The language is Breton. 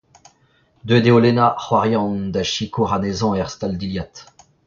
Deuet eo Lena, c’hoar Yann, da sikour anezhañ er stal-dilhad.